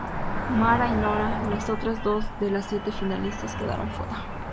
Mara y Nora, las otras dos de las siete finalistas, quedaron fuera.